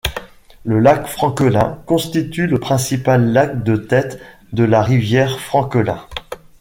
Le lac Franquelin constitue le principal lac de tête de la rivière Franquelin.